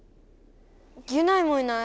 ギュナイもいない。